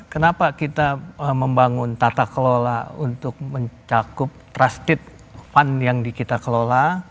kenapa kita membangun tata kelola untuk mencakup trusted fund yang kita kelola